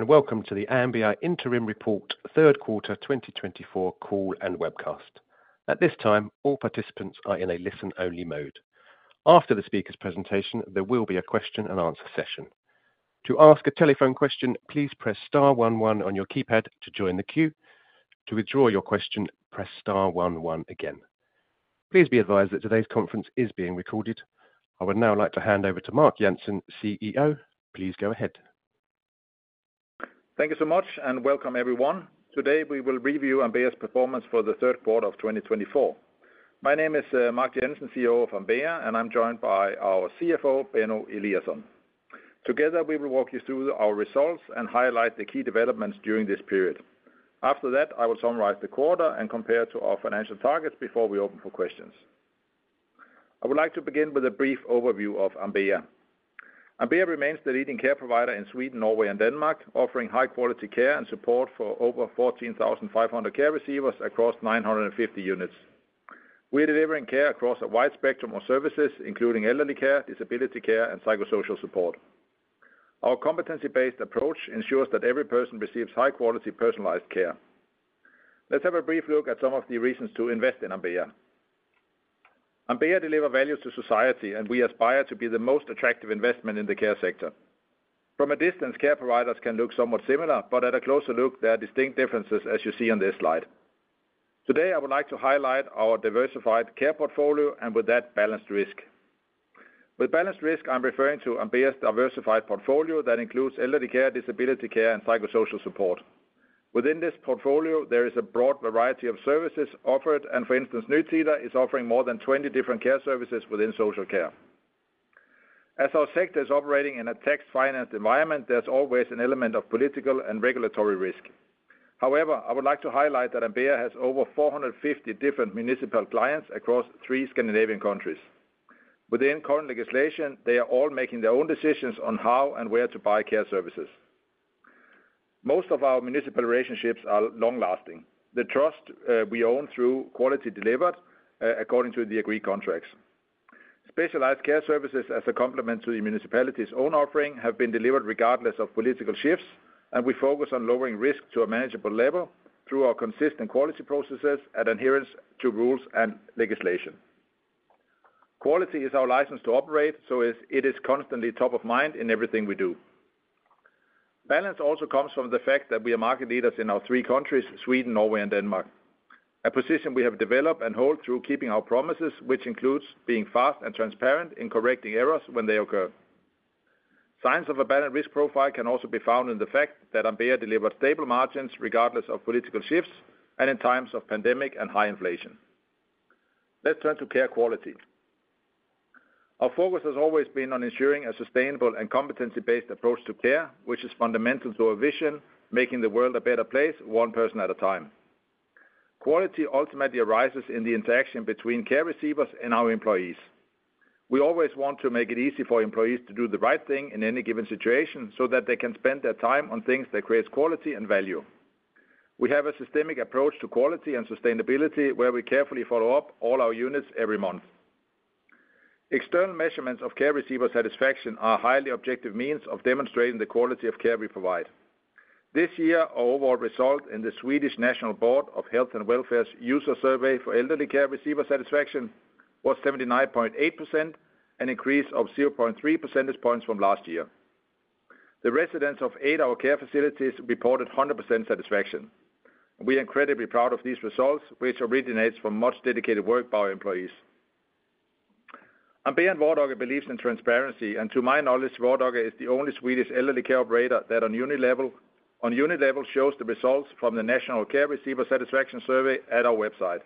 Hello, and welcome to the Ambea Interim Report, Q3 2024, call and webcast. At this time, all participants are in a listen-only mode. After the speaker's presentation, there will be a Q&A session. To ask a telephone question, please press star 11 on your keypad to join the queue. To withdraw your question, press star 11 again. Please be advised that today's conference is being recorded. I would now like to hand over to Mark Jensen, CEO. Please go ahead. Thank you so much, and welcome, everyone. Today, we will review Ambea's performance for the Q3 of 2024. My name is Mark Jensen, CEO of Ambea, and I'm joined by our CFO, Benno Eliasson. Together, we will walk you through our results and highlight the key developments during this period. After that, I will summarize the quarter and compare it to our financial targets before we open for questions. I would like to begin with a brief overview of Ambea. Ambea remains the leading care provider in Sweden, Norway, and Denmark, offering high-quality care and support for over 14,500 care receivers across 950 units. We are delivering care across a wide spectrum of services, including elderly care, disability care, and psychosocial support. Our competency-based approach ensures that every person receives high-quality, personalized care. Let's have a brief look at some of the reasons to invest in Ambea. Ambea delivers value to society, and we aspire to be the most attractive investment in the care sector. From a distance, care providers can look somewhat similar, but at a closer look, there are distinct differences, as you see on this slide. Today, I would like to highlight our diversified care portfolio and, with that, balanced risk. With balanced risk, I'm referring to Ambea's diversified portfolio that includes elderly care, disability care, and psychosocial support. Within this portfolio, there is a broad variety of services offered, and, for instance, Nytida is offering more than 20 different care services within social care. As our sector is operating in a tax-financed environment, there's always an element of political and regulatory risk. However, I would like to highlight that Ambea has over 450 different municipal clients across three Scandinavian countries. Within current legislation, they are all making their own decisions on how and where to buy care services. Most of our municipal relationships are long-lasting. The trust we own through quality delivered according to the agreed contracts. Specialized care services, as a complement to the municipality's own offering, have been delivered regardless of political shifts, and we focus on lowering risk to a manageable level through our consistent quality processes and adherence to rules and legislation. Quality is our license to operate, so it is constantly top of mind in everything we do. Balance also comes from the fact that we are market leaders in our three countries, Sweden, Norway, and Denmark, a position we have developed and hold through keeping our promises, which includes being fast and transparent in correcting errors when they occur. Signs of a balanced risk profile can also be found in the fact that Ambea delivers stable margins regardless of political shifts and in times of pandemic and high inflation. Let's turn to care quality. Our focus has always been on ensuring a sustainable and competency-based approach to care, which is fundamental to our vision: making the world a better place, one person at a time. Quality ultimately arises in the interaction between care receivers and our employees. We always want to make it easy for employees to do the right thing in any given situation so that they can spend their time on things that create quality and value. We have a systemic approach to quality and sustainability where we carefully follow up all our units every month. External measurements of care receiver satisfaction are highly objective means of demonstrating the quality of care we provide. This year, our overall result in the Swedish National Board of Health and Welfare's user survey for elderly care receiver satisfaction was 79.8%, an increase of 0.3 percentage points from last year. The residents of eight of our care facilities reported 100% satisfaction. We are incredibly proud of these results, which originate from much dedicated work by our employees. Ambea and Vardaga believe in transparency, and to my knowledge, Vardaga is the only Swedish elderly care operator that, on unit level, shows the results from the National Care Receiver Satisfaction Survey at our website.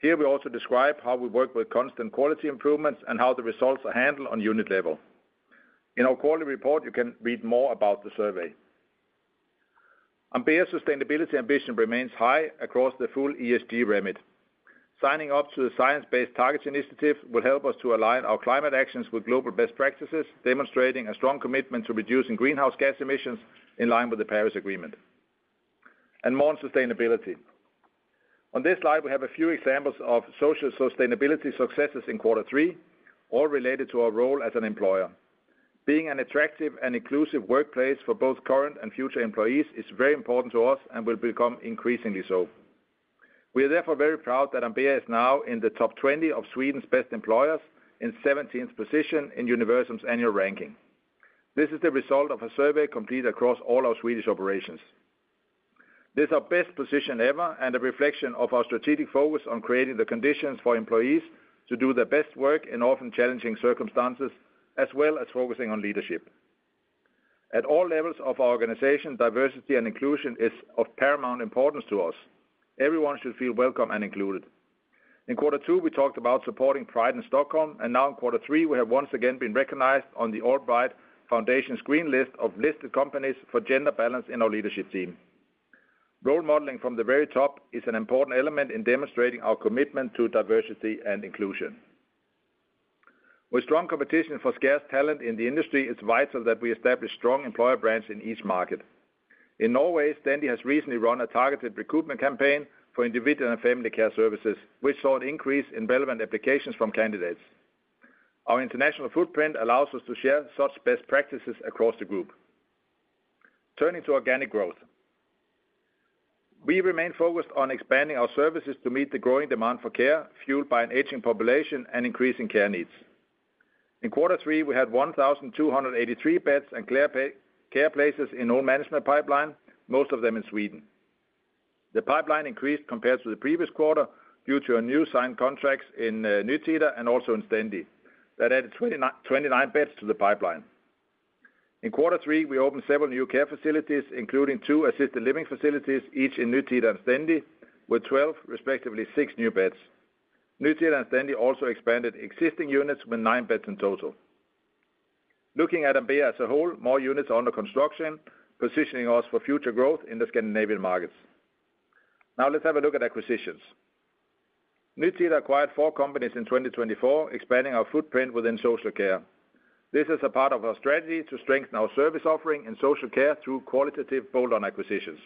Here, we also describe how we work with constant quality improvements and how the results are handled on unit level. In our quality report, you can read more about the survey. Ambea's sustainability ambition remains high across the full ESG remit. Signing up to the Science Based Targets Initiative will help us to align our climate actions with global best practices, demonstrating a strong commitment to reducing greenhouse gas emissions in line with the Paris Agreement and more sustainability. On this slide, we have a few examples of social sustainability successes in Q3, all related to our role as an employer. Being an attractive and inclusive workplace for both current and future employees is very important to us and will become increasingly so. We are therefore very proud that Ambea is now in the top 20 of Sweden's best employers in 17th position in Universum's annual ranking. This is the result of a survey completed across all our Swedish operations. This is our best position ever and a reflection of our strategic focus on creating the conditions for employees to do their best work in often challenging circumstances, as well as focusing on leadership. At all levels of our organization, diversity and inclusion are of paramount importance to us. Everyone should feel welcome and included. In Q2, we talked about supporting Pride in Stockholm, and now in Q3, we have once again been recognized on the Allbright Foundation's green list of listed companies for gender balance in our leadership team. Role modeling from the very top is an important element in demonstrating our commitment to diversity and inclusion. With strong competition for scarce talent in the industry, it's vital that we establish strong employer brands in each market. In Norway, Stendi has recently run a targeted recruitment campaign for individual and family care services, which saw an increase in relevant applications from candidates. Our international footprint allows us to share such best practices across the group. Turning to organic growth, we remain focused on expanding our services to meet the growing demand for care, fueled by an aging population and increasing care needs. In Q3, we had 1,283 beds and care places in all management pipelines, most of them in Sweden. The pipeline increased compared to the previous quarter due to our new signed contracts in Nytida and also in Stendi. That added 29 beds to the pipeline. In Q3, we opened several new care facilities, including two assisted living facilities, each in Nytida and Stendi, with 12, respectively, 6 new beds. Nytida and Stendi also expanded existing units with 9 beds in total. Looking at Ambea as a whole, more units are under construction, positioning us for future growth in the Scandinavian markets. Now, let's have a look at acquisitions. Nytida acquired four companies in 2024, expanding our footprint within social care. This is a part of our strategy to strengthen our service offering in social care through qualitative bolt-on acquisitions.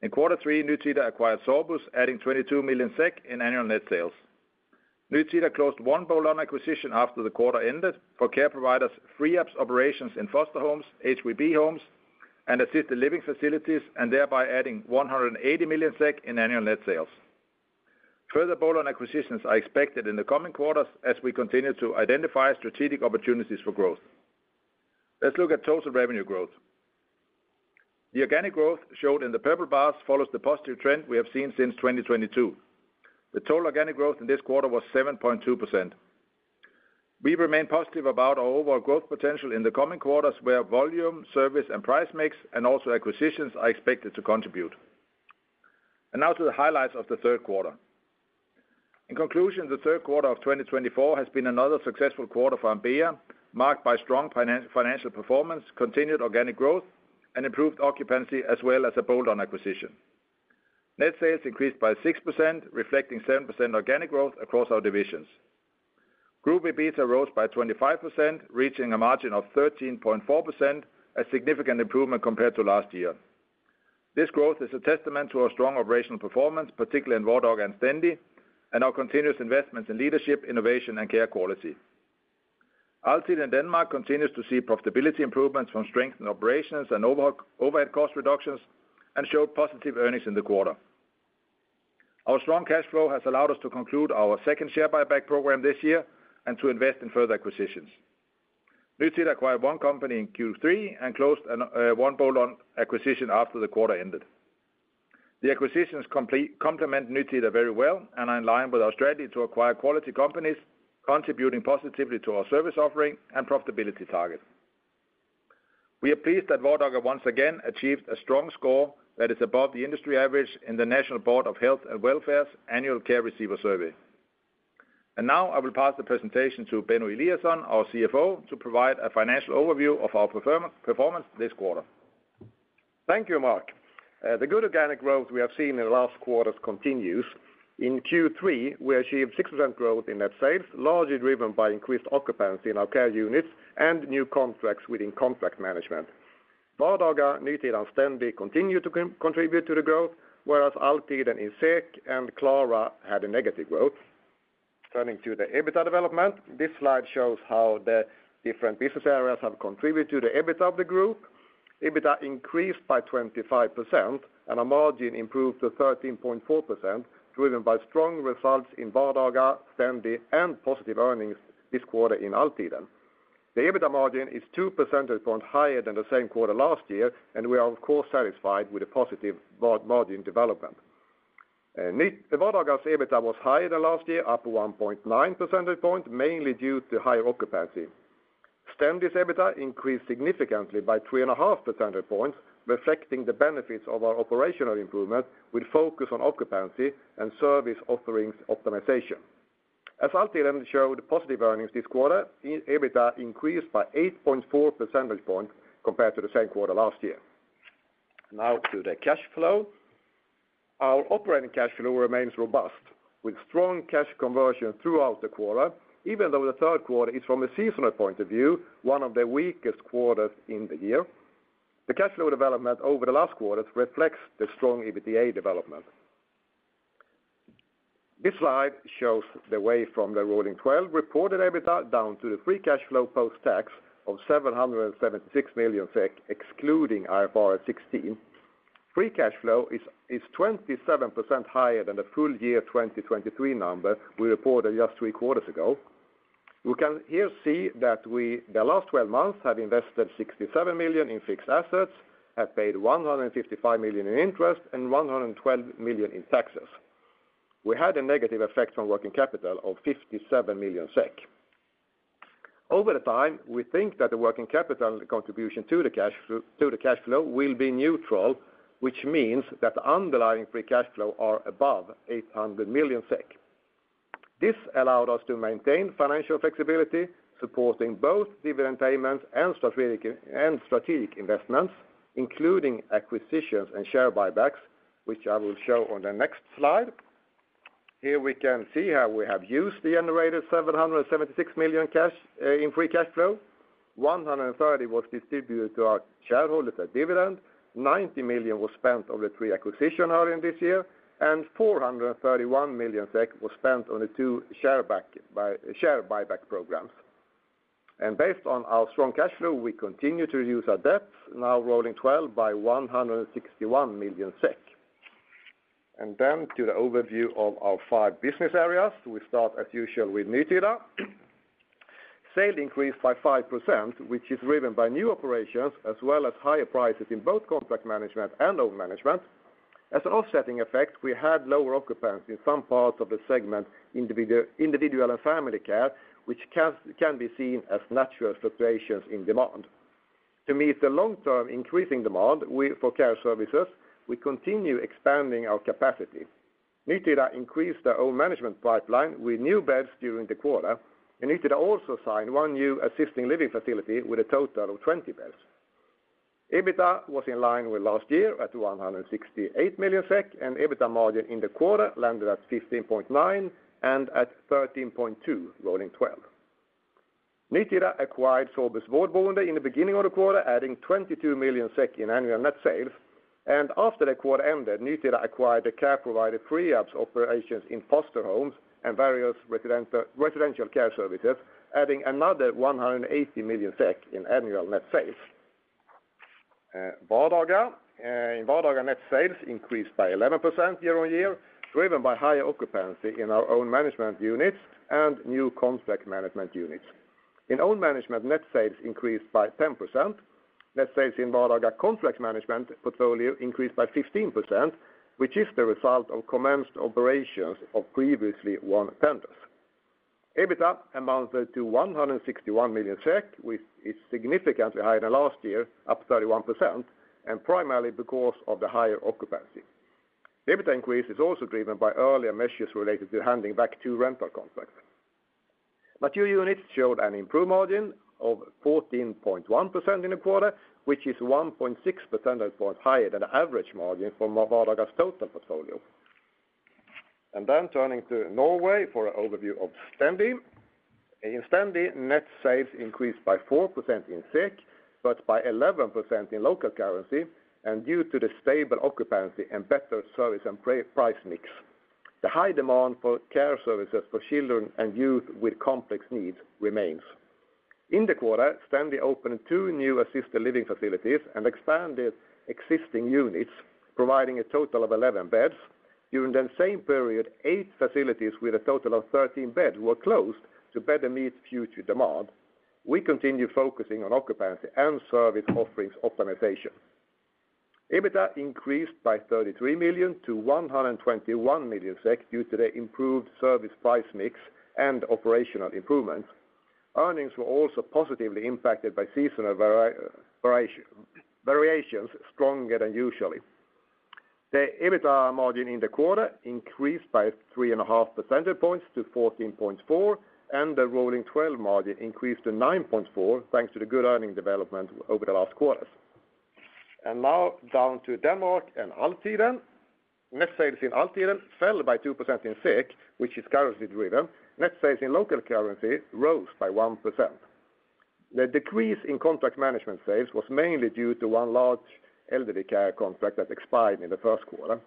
In Q3, Nytida acquired Sorbus, adding 22 million SEK in annual net sales. Nytida closed one bolt-on acquisition after the quarter ended for care providers' free-up operations in foster homes, HVB homes, and assisted living facilities, thereby adding 180 million SEK in annual net sales. Further bolt-on acquisitions are expected in the coming quarters as we continue to identify strategic opportunities for growth. Let's look at total revenue growth. The organic growth shown in the purple bars follows the positive trend we have seen since 2022. The total organic growth in this quarter was 7.2%. We remain positive about our overall growth potential in the coming quarters, where volume, service, and price mix, and also acquisitions are expected to contribute. And now to the highlights of the Q3. In conclusion, the Q3 of 2024 has been another successful quarter for Ambea, marked by strong financial performance, continued organic growth, and improved occupancy, as well as a bolt-on acquisition. Net sales increased by 6%, reflecting 7% organic growth across our divisions. Group EBITDA rose by 25%, reaching a margin of 13.4%, a significant improvement compared to last year. This growth is a testament to our strong operational performance, particularly in Vardaga and Stendi, and our continuous investments in leadership, innovation, and care quality. Altiden in Denmark continues to see profitability improvements from strengthened operations and overhead cost reductions and showed positive earnings in the quarter. Our strong cash flow has allowed us to conclude our second share buyback program this year and to invest in further acquisitions. Nytida acquired one company in Q3 and closed one bolt-on acquisition after the quarter ended. The acquisitions complement Nytida very well and are in line with our strategy to acquire quality companies, contributing positively to our service offering and profitability target. We are pleased that Vardaga once again achieved a strong score that is above the industry average in the National Board of Health and Welfare's annual care receiver survey. Now, I will pass the presentation to Benno Eliasson, our CFO, to provide a financial overview of our performance this quarter. Thank you, Mark. The good organic growth we have seen in the last quarters continues. In Q3, we achieved 6% growth in net sales, largely driven by increased occupancy in our care units and new contracts within contract management. Vardaga, Nytida, and Stendi continue to contribute to the growth, whereas Altiden and Klara had a negative growth. Turning to the EBITDA development, this slide shows how the different business areas have contributed to the EBITDA of the group. EBITDA increased by 25%, and our margin improved to 13.4%, driven by strong results in Vardaga, Stendi, and positive earnings this quarter in Altiden. The EBITDA margin is 2 percentage points higher than the same quarter last year, and we are, of course, satisfied with the positive margin development. Vardaga's EBITDA was higher than last year, up 1.9 percentage points, mainly due to higher occupancy. Stendi's EBITDA increased significantly by 3.5 percentage points, reflecting the benefits of our operational improvement with focus on occupancy and service offerings optimization. As Altiden showed positive earnings this quarter, EBITDA increased by 8.4 percentage points compared to the same quarter last year. Now to the cash flow. Our operating cash flow remains robust, with strong cash conversion throughout the quarter, even though the Q3 is, from a seasonal point of view, one of the weakest quarters in the year. The cash flow development over the last quarter reflects the strong EBITDA development. This slide shows the way from the rolling 12 reported EBITDA down to the free cash flow post-tax of 776 million SEK, excluding IFRS 16. Free cash flow is 27% higher than the full year 2023 number we reported just three quarters ago. We can here see that we, the last 12 months, have invested 67 million in fixed assets, have paid 155 million in interest, and 112 million in taxes. We had a negative effect from working capital of 57 million SEK. Over time, we think that the working capital contribution to the cash flow will be neutral, which means that the underlying free cash flow is above 800 million SEK. This allowed us to maintain financial flexibility, supporting both dividend payments and strategic investments, including acquisitions and share buybacks, which I will show on the next slide. Here we can see how we have used the generated 776 million in free cash flow. 130 million was distributed to our shareholders at dividend, 90 million was spent on the three acquisitions earlier this year, and 431 million SEK was spent on the two share buyback programs. Based on our strong cash flow, we continue to reduce our debts, now rolling 12 by 161 million SEK. To the overview of our five business areas, we start, as usual, with Nytida. Sales increased by 5%, which is driven by new operations as well as higher prices in both contract management and own management. As an offsetting effect, we had lower occupancy in some parts of the segment, individual and family care, which can be seen as natural fluctuations in demand. To meet the long-term increasing demand for care services, we continue expanding our capacity. Nytida increased our own management pipeline with new beds during the quarter, and Nytida also signed one new assisted living facility with a total of 20 beds. EBITDA was in line with last year at 168 million SEK, and EBITDA margin in the quarter landed at 15.9% and at 13.2%, rolling 12. Nytida acquired Sorbus Vårdboende in the beginning of the quarter, adding 22 million SEK in annual net sales. After the quarter ended, Nytida acquired the care provider Friab operations in foster homes and various residential care services, adding another 180 million SEK in annual net sales. Vardaga net sales increased by 11% year on year, driven by higher occupancy in our own management units and new contract management units. In own management, net sales increased by 10%. Net sales in Vardaga contract management portfolio increased by 15%, which is the result of commenced operations of previously won tenders. EBITDA amounted to 161 million SEK, which is significantly higher than last year, up 31%, and primarily because of the higher occupancy. EBITDA increase is also driven by earlier measures related to handing back two rental contracts. Mature units showed an improved margin of 14.1% in the quarter, which is 1.6 percentage points higher than the average margin from Vardaga's total portfolio. And then turning to Norway for an overview of Stendi. In Stendi, net sales increased by 4% in SEK, but by 11% in local currency, and due to the stable occupancy and better service and price mix. The high demand for care services for children and youth with complex needs remains. In the quarter, Stendi opened two new assisted living facilities and expanded existing units, providing a total of 11 beds. During the same period, eight facilities with a total of 13 beds were closed to better meet future demand. We continue focusing on occupancy and service offerings optimization. EBITDA increased by 33 million SEK to 121 million SEK due to the improved service price mix and operational improvements. Earnings were also positively impacted by seasonal variations, stronger than usual. The EBITDA margin in the quarter increased by 3.5 percentage points to 14.4%, and the rolling 12 margin increased to 9.4%, thanks to the good earnings development over the last quarters. And now down to Denmark and Altiden. Net sales in Altiden fell by 2% in SEK, which is currency driven. Net sales in local currency rose by 1%. The decrease in contract management sales was mainly due to one large elderly care contract that expired in the Q1.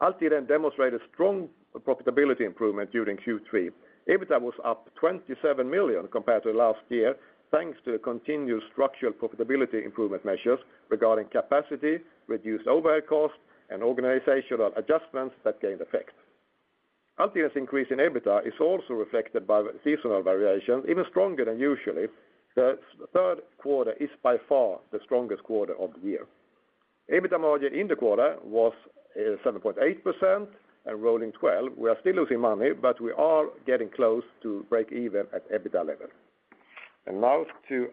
Altiden demonstrated strong profitability improvement during Q3. EBITDA was up 27 million SEK compared to last year, thanks to the continued structural profitability improvement measures regarding capacity, reduced overhead costs, and organizational adjustments that gained effect. Altiden's increase in EBITDA is also reflected by seasonal variations, even stronger than usual. The Q3 is by far the strongest quarter of the year. EBITDA margin in the quarter was 7.8% and rolling 12. We are still losing money, but we are getting close to break-even at EBITDA level. Now to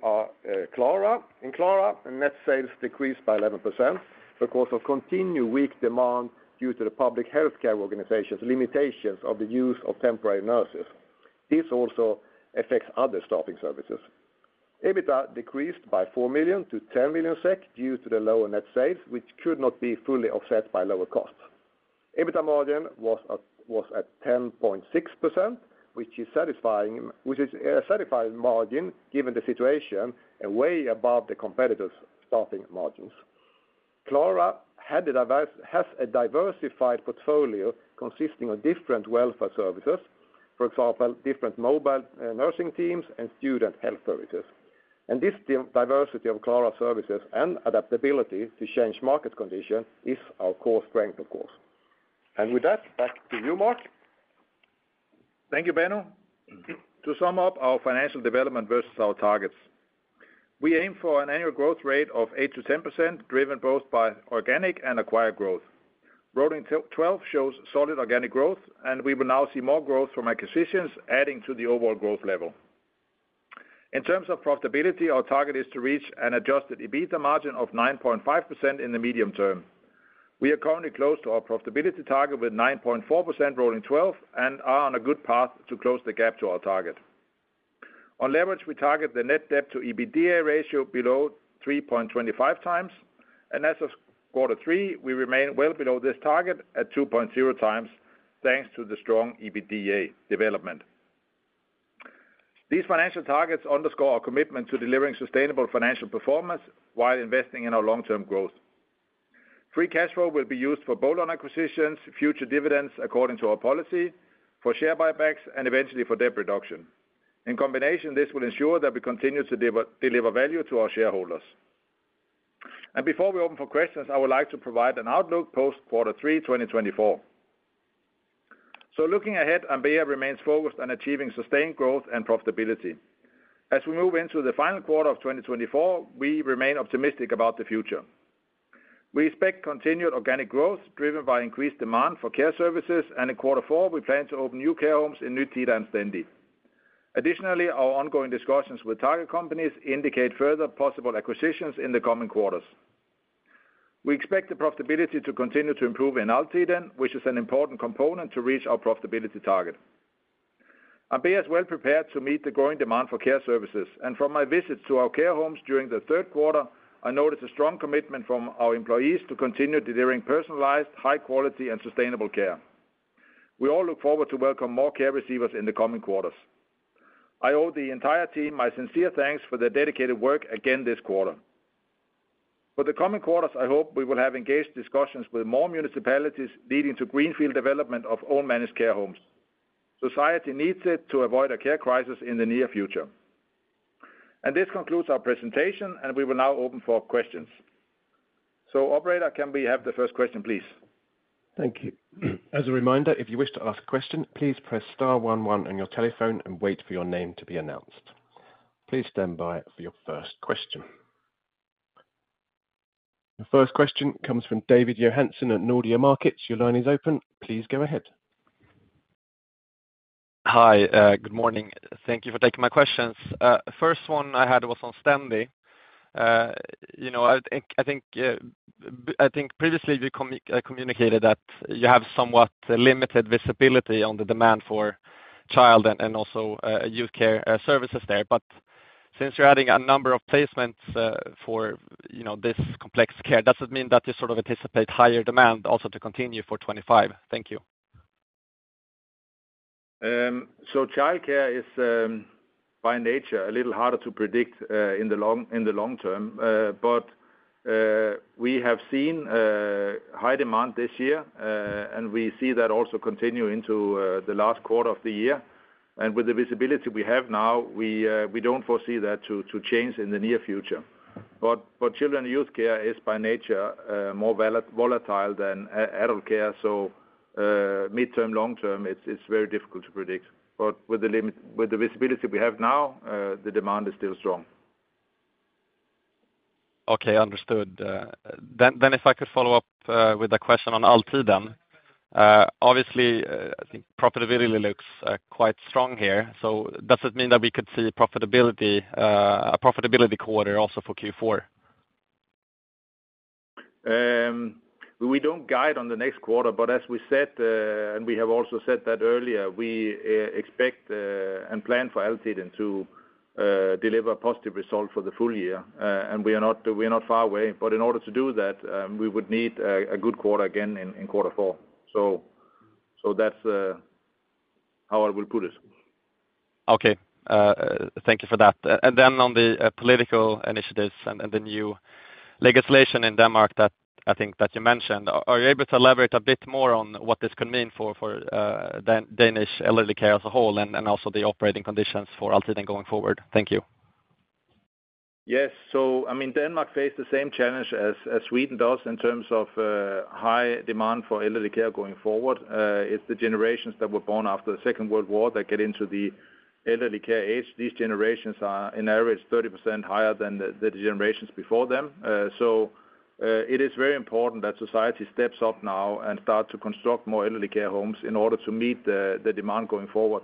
Klara. In Klara, net sales decreased by 11% because of continued weak demand due to the public healthcare organization's limitations of the use of temporary nurses. This also affects other staffing services. EBITDA decreased by 4 million to 10 million SEK due to the lower net sales, which could not be fully offset by lower costs. EBITDA margin was at 10.6%, which is a satisfying margin given the situation and way above the competitors' staffing margins. Klara has a diversified portfolio consisting of different welfare services, for example, different mobile nursing teams and student health services. This diversity of Klara's services and adaptability to change market conditions is our core strength, of course. With that, back to you, Mark. Thank you, Benno. To sum up our financial development versus our targets, we aim for an annual growth rate of 8% to 10%, driven both by organic and acquired growth. Rolling 12 shows solid organic growth, and we will now see more growth from acquisitions, adding to the overall growth level. In terms of profitability, our target is to reach an adjusted EBITDA margin of 9.5% in the medium term. We are currently close to our profitability target with 9.4% rolling 12 and are on a good path to close the gap to our target. On leverage, we target the net debt to EBITDA ratio below 3.25 times, and as of Q3, we remain well below this target at 2.0 times, thanks to the strong EBITDA development. These financial targets underscore our commitment to delivering sustainable financial performance while investing in our long-term growth. Free cash flow will be used for bolt-on acquisitions, future dividends according to our policy, for share buybacks, and eventually for debt reduction. In combination, this will ensure that we continue to deliver value to our shareholders, and before we open for questions, I would like to provide an outlook post-Q3 2024, so looking ahead, Ambea remains focused on achieving sustained growth and profitability. As we move into the final quarter of 2024, we remain optimistic about the future. We expect continued organic growth driven by increased demand for care services, and in Q4, we plan to open new care homes in Nytida and Stendi. Additionally, our ongoing discussions with target companies indicate further possible acquisitions in the coming quarters. We expect the profitability to continue to improve in Altiden, which is an important component to reach our profitability target. Ambea is well prepared to meet the growing demand for care services, and from my visits to our care homes during the Q3, I noticed a strong commitment from our employees to continue delivering personalized, high-quality, and sustainable care. We all look forward to welcome more care receivers in the coming quarters. I owe the entire team my sincere thanks for their dedicated work again this quarter. For the coming quarters, I hope we will have engaged discussions with more municipalities leading to greenfield development of own-managed care homes. Society needs it to avoid a care crisis in the near future. And this concludes our presentation, and we will now open for questions. So operator, can we have the first question, please? Thank you. As a reminder, if you wish to ask a question, please press star 11 on your telephone and wait for your name to be announced. Please stand by for your first question. Your first question comes from David Johansen at Nordea Markets. Your line is open. Please go ahead. Hi, good morning. Thank you for taking my questions. First one I had was on Stendi. You know, I think previously we communicated that you have somewhat limited visibility on the demand for child and also youth care services there. But since you're adding a number of placements for this complex care, does it mean that you sort of anticipate higher demand also to continue for 2025? Thank you. Child care is by nature a little harder to predict in the long term, but we have seen high demand this year, and we see that also continue into the last quarter of the year. With the visibility we have now, we don't foresee that to change in the near future. Children and youth care is by nature more volatile than adult care, so midterm, long-term, it's very difficult to predict. With the visibility we have now, the demand is still strong. Okay, understood. Then if I could follow up with a question on Altiden. Obviously, profitability looks quite strong here. So does it mean that we could see a profitability quarter also for Q4? We don't guide on the next quarter, but as we said, and we have also said that earlier, we expect and plan for Altiden to deliver a positive result for the full year, and we are not far away. But in order to do that, we would need a good quarter again in Q4. So that's how I will put it. Okay, thank you for that. And then on the political initiatives and the new legislation in Denmark that I think that you mentioned, are you able to elaborate a bit more on what this could mean for Danish elderly care as a whole and also the operating conditions for Altiden going forward? Thank you. Yes, so I mean, Denmark faced the same challenge as Sweden does in terms of high demand for elderly care going forward. It's the generations that were born after the Second World War that get into the elderly care age. These generations are in average 30% higher than the generations before them. So it is very important that society steps up now and starts to construct more elderly care homes in order to meet the demand going forward.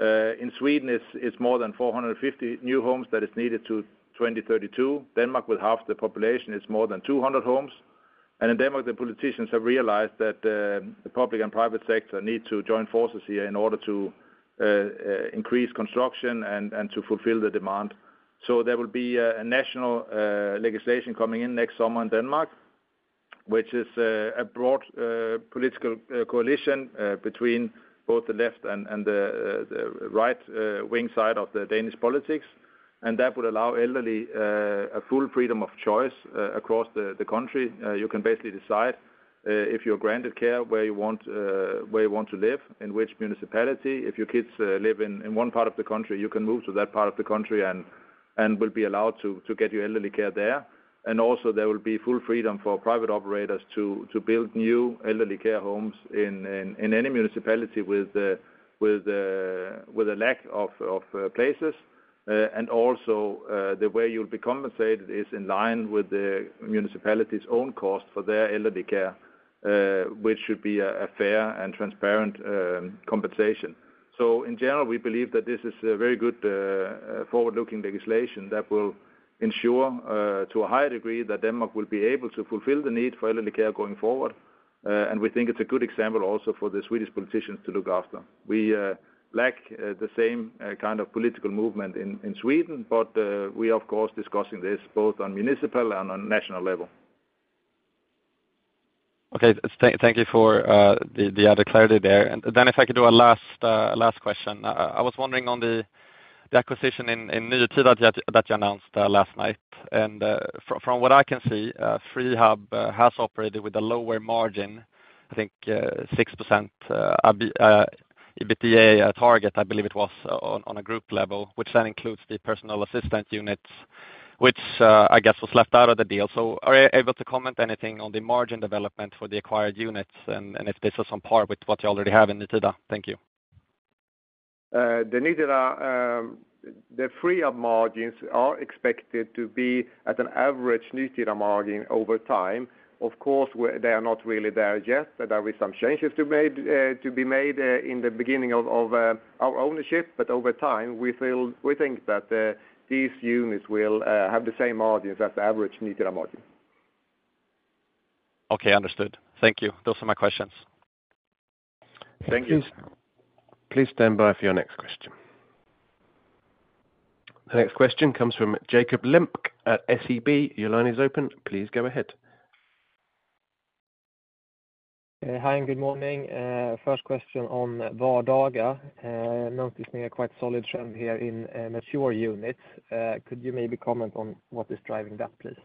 In Sweden, it's more than 450 new homes that are needed to 2032. Denmark with half the population is more than 200 homes, and in Denmark, the politicians have realized that the public and private sector need to join forces here in order to increase construction and to fulfill the demand. There will be a national legislation coming in next summer in Denmark, which is a broad political coalition between both the left and the right-wing side of the Danish politics. That would allow elderly a full freedom of choice across the country. You can basically decide if you're granted care where you want to live, in which municipality. If your kids live in one part of the country, you can move to that part of the country and will be allowed to get your elderly care there. There will be full freedom for private operators to build new elderly care homes in any municipality with a lack of places. The way you'll be compensated is in line with the municipality's own cost for their elderly care, which should be a fair and transparent compensation. In general, we believe that this is a very good forward-looking legislation that will ensure to a high degree that Denmark will be able to fulfill the need for elderly care going forward. We think it's a good example also for the Swedish politicians to look after. We lack the same kind of political movement in Sweden, but we are, of course, discussing this both on municipal and on national level. Okay, thank you for the added clarity there, and then if I could do a last question. I was wondering on the acquisition in Nytida that you announced last night, and from what I can see, Friab has operated with a lower margin, I think 6% EBITDA target, I believe it was on a group level, which then includes the personal assistant units, which I guess was left out of the deal, so are you able to comment anything on the margin development for the acquired units and if this is on par with what you already have in Nytida? Thank you. The Nytida, the Friab margins are expected to be at an average Nytida margin over time. Of course, they are not really there yet. There will be some changes to be made in the beginning of our ownership, but over time, we think that these units will have the same margins as the average Nytida margin. Okay, understood. Thank you. Those are my questions. Thank you. Please stand by for your next question. The next question comes from Jakob Lundberg at SEB. Your line is open. Please go ahead. Hi, and good morning. First question on Vardaga. Någonting som är quite solid trend here in mature units. Could you maybe comment on what is driving that, please?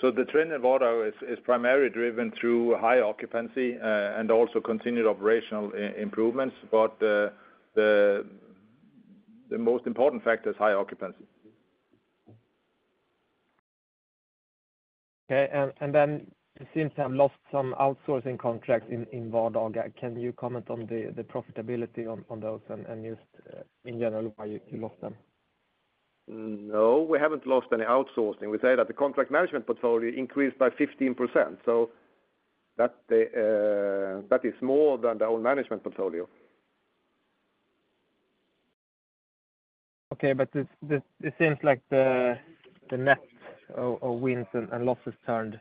So the trend in Vardaga is primarily driven through high occupancy and also continued operational improvements, but the most important factor is high occupancy. Okay, and then it seems to have lost some outsourcing contracts in Vardaga. Can you comment on the profitability on those and just in general why you lost them? No, we haven't lost any outsourcing. We say that the contract management portfolio increased by 15%. So that is more than the own management portfolio. Okay, but it seems like the net of wins and losses turned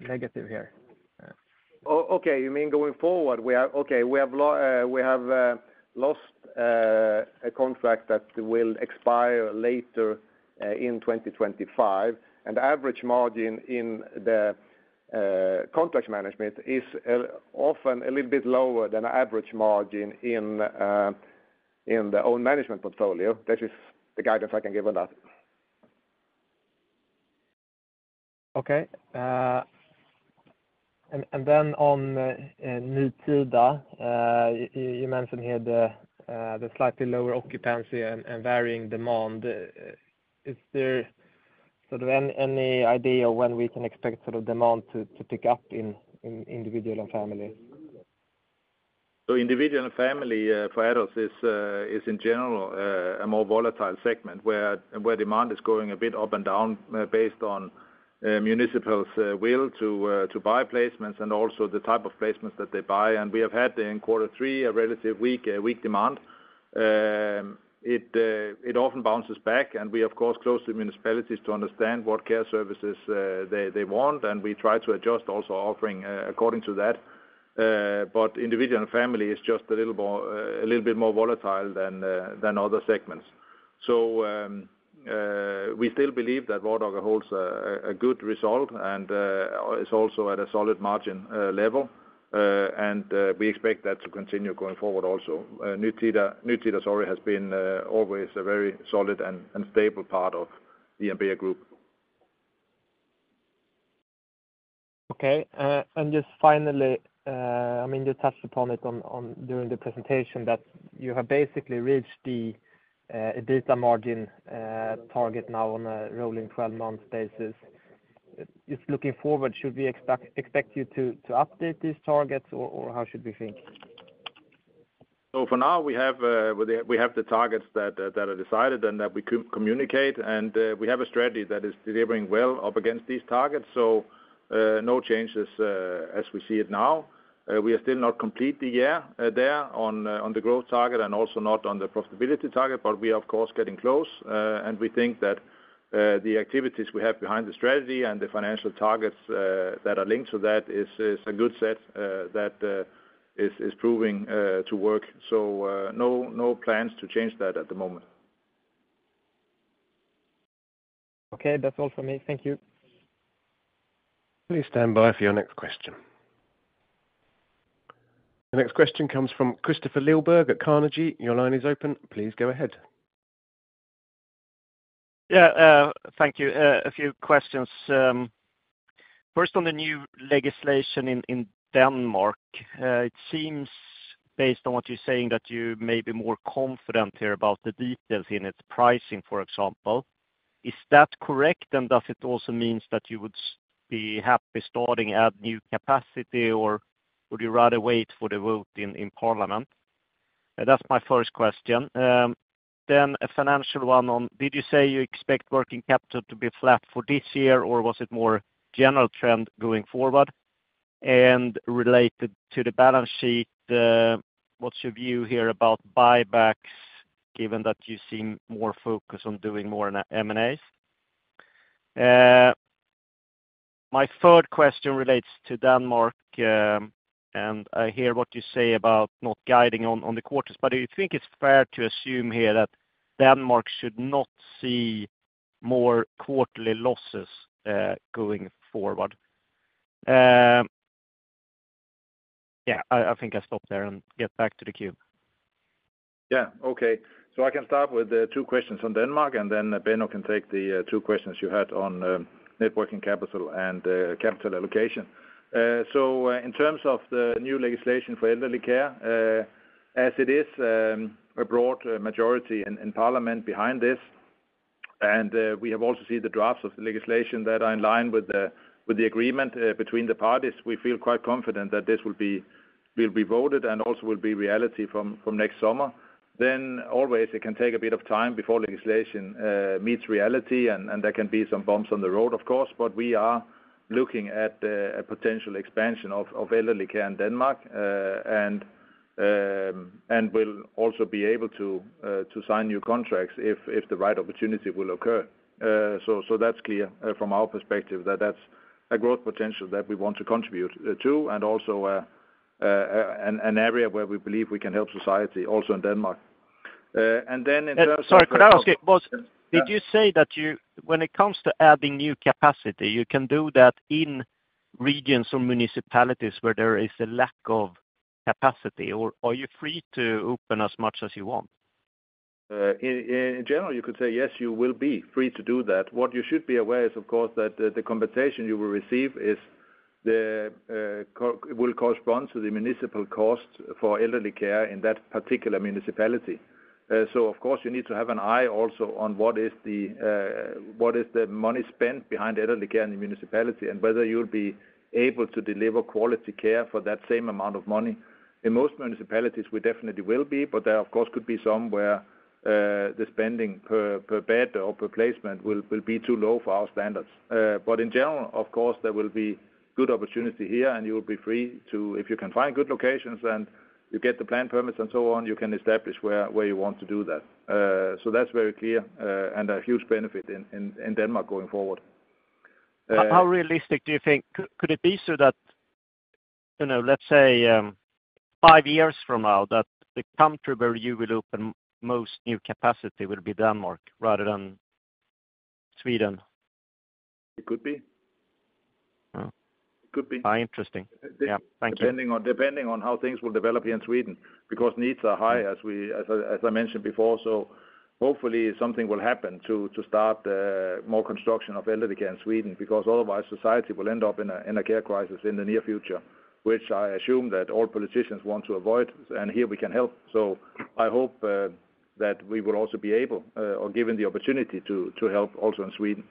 negative here. Okay, you mean going forward? Okay, we have lost a contract that will expire later in 2025. And the average margin in the contract management is often a little bit lower than the average margin in the own management portfolio. That is the guidance I can give on that. Okay, and then on Nytida, you mentioned the slightly lower occupancy and varying demand. Is there sort of any idea of when we can expect sort of demand to pick up in individual and family? So individual and family for adults is in general a more volatile segment where demand is going a bit up and down based on municipalities' will to buy placements and also the type of placements that they buy. And we have had in Q3 a relatively weak demand. It often bounces back, and we, of course, close to municipalities to understand what care services they want, and we try to adjust also offering according to that. But individual and family is just a little bit more volatile than other segments. So we still believe that Vardaga holds a good result and is also at a solid margin level, and we expect that to continue going forward also. Nytida, sorry, has been always a very solid and stable part of the Ambea group. Okay, and just finally, I mean, you touched upon it during the presentation that you have basically reached the EBITDA margin target now on a rolling 12-month basis. Just looking forward, should we expect you to update these targets or how should we think? So for now, we have the targets that are decided and that we communicate, and we have a strategy that is delivering well up against these targets. So no changes as we see it now. We are still not completely there on the growth target and also not on the profitability target, but we are, of course, getting close. And we think that the activities we have behind the strategy and the financial targets that are linked to that is a good set that is proving to work. So no plans to change that at the moment. Okay, that's all from me. Thank you. Please stand by for your next question. The next question comes from Kristofer Liljeberg at Carnegie. Your line is open. Please go ahead. Yeah, thank you. A few questions. First, on the new legislation in Denmark, it seems based on what you're saying that you may be more confident here about the details in its pricing, for example. Is that correct? And does it also mean that you would be happy starting at new capacity, or would you rather wait for the vote in Parliament? That's my first question. Then a financial one on, did you say you expect working capital to be flat for this year, or was it more general trend going forward? And related to the balance sheet, what's your view here about buybacks given that you seem more focused on doing more M&As? My third question relates to Denmark, and I hear what you say about not guiding on the quarters, but do you think it's fair to assume here that Denmark should not see more quarterly losses going forward? Yeah, I think I'll stop there and get back to the queue. Yeah, okay. So I can start with two questions on Denmark, and then Ben can take the two questions you had on net working capital and capital allocation. So in terms of the new legislation for elderly care, as it is, a broad majority in Parliament behind this, and we have also seen the drafts of the legislation that are in line with the agreement between the parties. We feel quite confident that this will be voted and also will be reality from next summer. Then always it can take a bit of time before legislation meets reality, and there can be some bumps on the road, of course, but we are looking at a potential expansion of elderly care in Denmark and will also be able to sign new contracts if the right opportunity will occur. So that's clear from our perspective that that's a growth potential that we want to contribute to and also an area where we believe we can help society also in Denmark. And then in terms of. Sorry, could I ask you, did you say that when it comes to adding new capacity, you can do that in regions or municipalities where there is a lack of capacity, or are you free to open as much as you want? In general, you could say yes, you will be free to do that. What you should be aware is, of course, that the compensation you will receive will correspond to the municipal cost for elderly care in that particular municipality. So, of course, you need to have an eye also on what is the money spent behind elderly care in the municipality and whether you'll be able to deliver quality care for that same amount of money. In most municipalities, we definitely will be, but there, of course, could be some where the spending per bed or per placement will be too low for our standards. But in general, of course, there will be good opportunity here, and you will be free to, if you can find good locations and you get the planned permits and so on, you can establish where you want to do that. So that's very clear and a huge benefit in Denmark going forward. How realistic do you think could it be so that, let's say, five years from now, that the country where you will open most new capacity will be Denmark rather than Sweden? It could be. It could be. Interesting. Yeah, thank you. Depending on how things will develop here in Sweden, because needs are high, as I mentioned before. So hopefully something will happen to start more construction of elderly care in Sweden, because otherwise society will end up in a care crisis in the near future, which I assume that all politicians want to avoid, and here we can help. So I hope that we will also be able, or given the opportunity to help also in Sweden.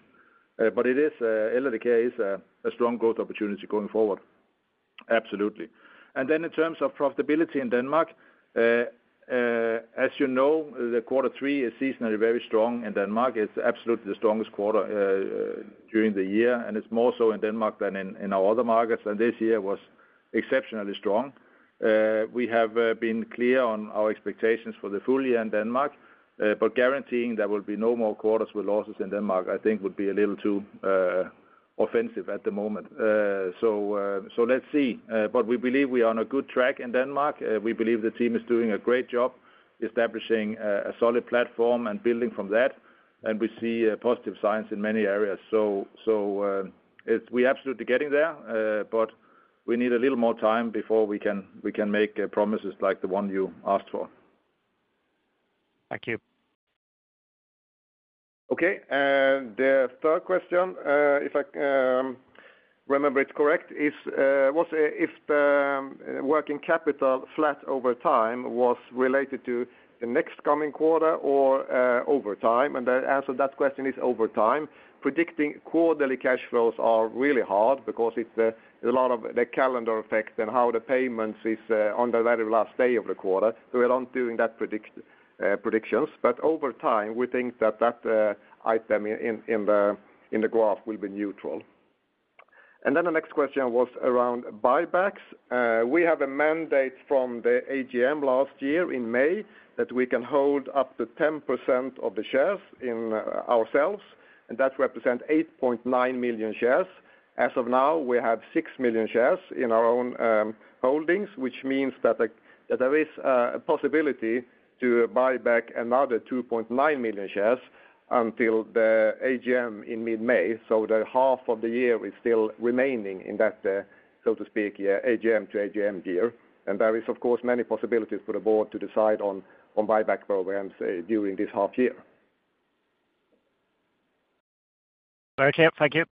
But elderly care is a strong growth opportunity going forward. Absolutely. And then in terms of profitability in Denmark, as you know, the Q3 is seasonally very strong in Denmark. It's absolutely the strongest quarter during the year, and it's more so in Denmark than in our other markets, and this year was exceptionally strong. We have been clear on our expectations for the full year in Denmark, but guaranteeing there will be no more quarters with losses in Denmark, I think would be a little too offensive at the moment so let's see but we believe we are on a good track in Denmark. We believe the team is doing a great job establishing a solid platform and building from that, and we see positive signs in many areas so we're absolutely getting there, but we need a little more time before we can make promises like the one you asked for. Thank you. Okay, and the third question, if I remember it correct, was if the working capital flat over time was related to the next coming quarter or over time? And the answer to that question is over time. Predicting quarterly cash flows are really hard because it's a lot of the calendar effect and how the payments is on the very last day of the quarter. So we are not doing that predictions. But over time, we think that that item in the graph will be neutral. And then the next question was around buybacks. We have a mandate from the AGM last year in May that we can hold up to 10% of the shares in ourselves, and that represents 8.9 million shares. As of now, we have six million shares in our own holdings, which means that there is a possibility to buy back another 2.9 million shares until the AGM in mid-May. So the half of the year is still remaining in that, so to speak, AGM to AGM year. And there is, of course, many possibilities for the board to decide on buyback programs during this half year. Sorry, I can't. Thank you.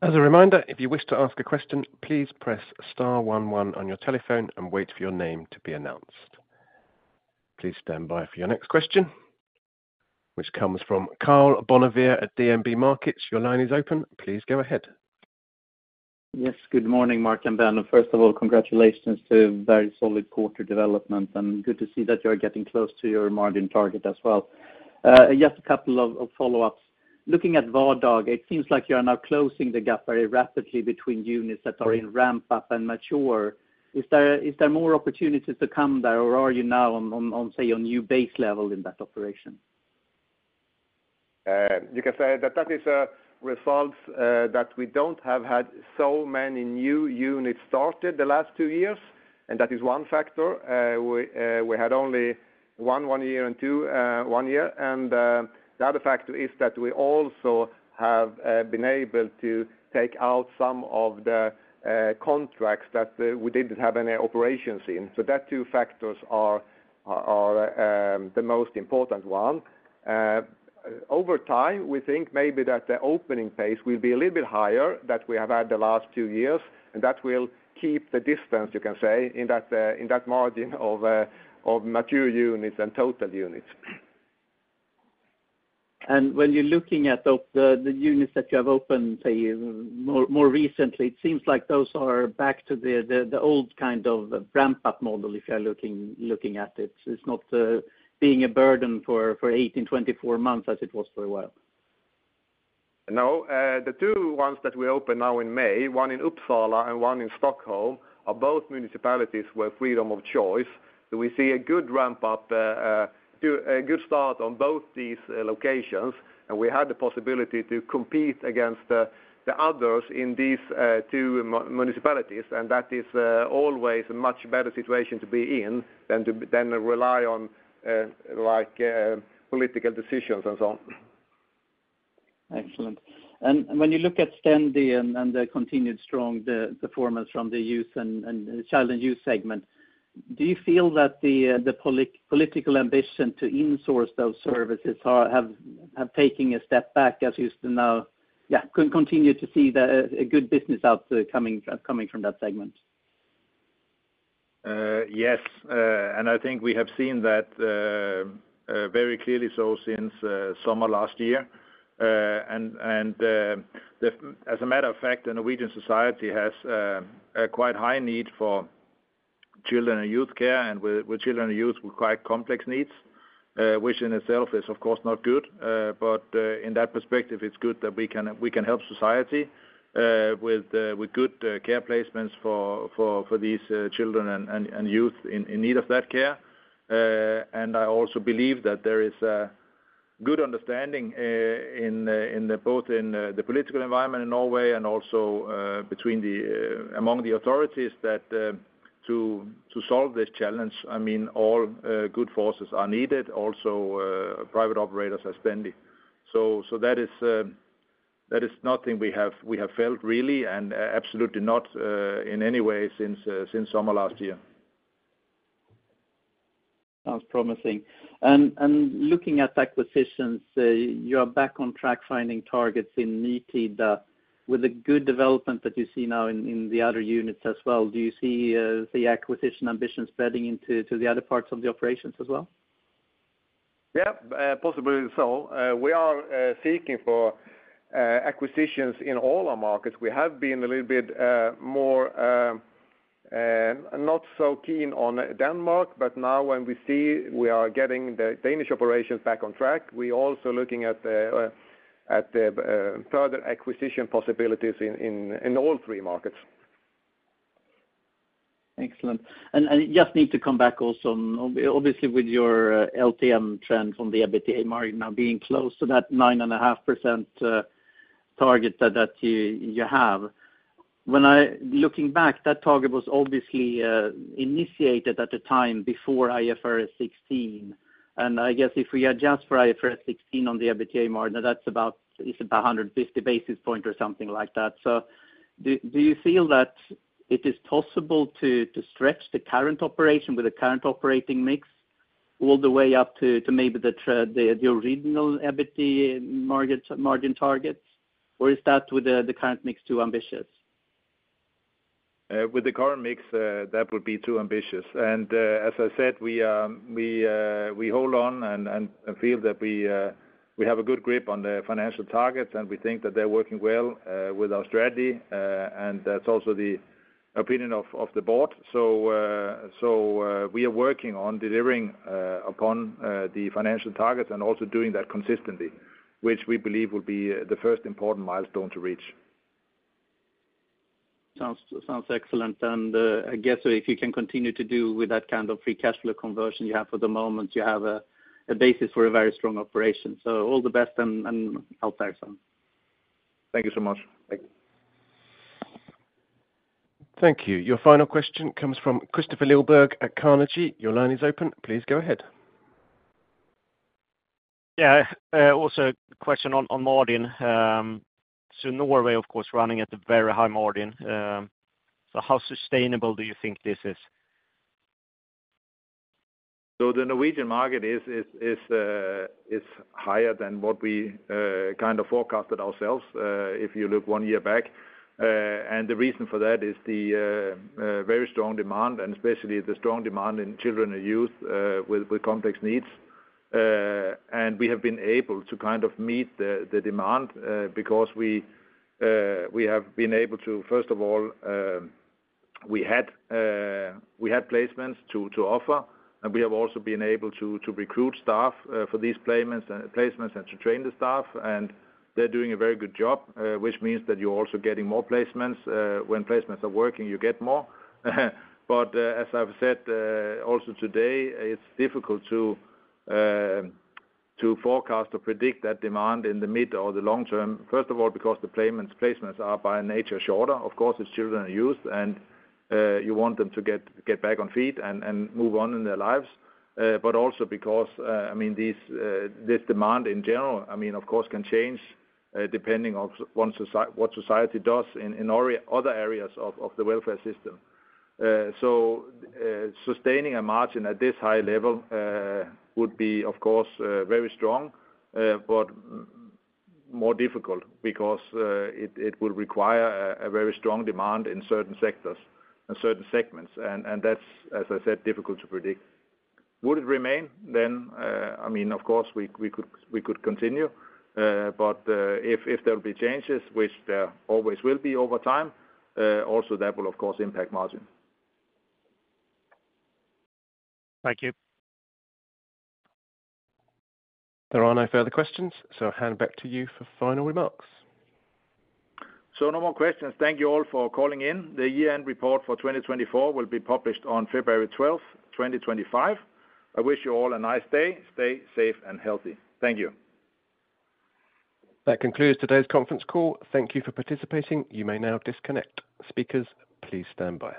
As a reminder, if you wish to ask a question, please press star 11 on your telephone and wait for your name to be announced. Please stand by for your next question, which comes from Carl Bonnevier at DNB Markets. Your line is open. Please go ahead. Yes, good morning, Mark and Ben. First of all, congratulations to very solid quarter development, and good to see that you're getting close to your margin target as well. Just a couple of follow-ups. Looking at Vardaga, it seems like you are now closing the gap very rapidly between units that are in ramp-up and mature. Is there more opportunities to come there, or are you now on, say, a new base level in that operation? You can say that that is a result that we don't have had so many new units started the last two years, and that is one factor. We had only one year and two, one year. And the other factor is that we also have been able to take out some of the contracts that we didn't have any operations in. So those two factors are the most important one. Over time, we think maybe that the opening pace will be a little bit higher that we have had the last two years, and that will keep the distance, you can say, in that margin of mature units and total units. When you're looking at the units that you have open, say, more recently, it seems like those are back to the old kind of ramp-up model if you're looking at it. It's not being a burden for 18-24 months as it was for a while. No. The two ones that we open now in May, one in Uppsala and one in Stockholm, are both municipalities with freedom of choice. So we see a good ramp-up, a good start on both these locations, and we had the possibility to compete against the others in these two municipalities. And that is always a much better situation to be in than rely on political decisions and so on. Excellent. And when you look at Stendi and the continued strong performance from the child and youth segment, do you feel that the political ambition to insource those services have taken a step back as you now continue to see a good business outcome from that segment? Yes, and I think we have seen that very clearly so since summer last year. As a matter of fact, the Norwegian society has quite high need for children and youth care, and with children and youth with quite complex needs, which in itself is, of course, not good. In that perspective, it's good that we can help society with good care placements for these children and youth in need of that care. I also believe that there is a good understanding both in the political environment in Norway and also among the authorities that to solve this challenge, I mean, all good forces are needed, also private operators as Stendi. That is nothing we have felt really and absolutely not in any way since summer last year. Sounds promising. And looking at acquisitions, you are back on track finding targets in Nytida with the good development that you see now in the other units as well. Do you see the acquisition ambition spreading into the other parts of the operations as well? Yeah, possibly so. We are seeking for acquisitions in all our markets. We have been a little bit more not so keen on Denmark, but now when we see we are getting the Danish operations back on track, we are also looking at further acquisition possibilities in all three markets. Excellent. And you just need to come back also on, obviously, with your LTM trend from the EBITDA margin now being close to that 9.5% target that you have. Looking back, that target was obviously initiated at a time before IFRS 16. And I guess if we adjust for IFRS 16 on the EBITDA margin, that's about 150 basis points or something like that. So do you feel that it is possible to stretch the current operation with the current operating mix all the way up to maybe the original EBITDA margin targets, or is that with the current mix too ambitious? With the current mix, that would be too ambitious, and as I said, we hold on and feel that we have a good grip on the financial targets, and we think that they're working well with our strategy, and that's also the opinion of the board, so we are working on delivering upon the financial targets and also doing that consistently, which we believe will be the first important milestone to reach. Sounds excellent. And I guess if you can continue to do with that kind of free cash flow conversion you have for the moment, you have a basis for a very strong operation. So all the best and out there, Son. Thank you so much. Thank you. Your final question comes from Kristofer Liljeberg at Carnegie. Your line is open. Please go ahead. Yeah. Also a question on margin. So Norway, of course, running at a very high margin. So how sustainable do you think this is? So the Norwegian market is higher than what we kind of forecasted ourselves if you look one year back. And the reason for that is the very strong demand, and especially the strong demand in children and youth with complex needs. And we have been able to kind of meet the demand because we have been able to, first of all, we had placements to offer, and we have also been able to recruit staff for these placements and to train the staff. And they're doing a very good job, which means that you're also getting more placements. When placements are working, you get more. But as I've said also today, it's difficult to forecast or predict that demand in the mid or the long term, first of all, because the placements are by nature shorter. Of course, it's children and youth, and you want them to get back on their feet and move on in their lives. But also because, I mean, this demand in general, I mean, of course, can change depending on what society does in other areas of the welfare system. So sustaining a margin at this high level would be, of course, very strong, but more difficult because it would require a very strong demand in certain sectors and certain segments. And that's, as I said, difficult to predict. Would it remain then? I mean, of course, we could continue. But if there will be changes, which there always will be over time, also that will, of course, impact margin. Thank you. There are no further questions. So hand back to you for final remarks. So no more questions. Thank you all for calling in. The year-end report for 2024 will be published on February 12th, 2025. I wish you all a nice day. Stay safe and healthy. Thank you. That concludes today's conference call. Thank you for participating. You may now disconnect. Speakers, please stand by.